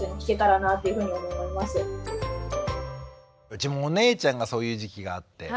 うちもお姉ちゃんがそういう時期があって。